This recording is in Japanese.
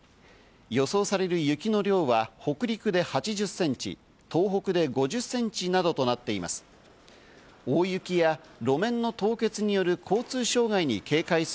予想される雪の量は北陸で８０センチ、東北で５０センチなどとなっています。